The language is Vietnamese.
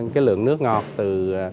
cái lượng nước ngọt từ